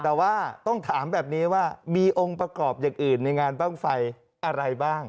แต่ว่าต้องถามแบบนี้ว่ามีองค์ประกอบอย่างอื่นในงานบ้างไฟอะไรบ้าง